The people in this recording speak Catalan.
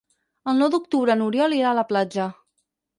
El nou d'octubre n'Oriol irà a la platja.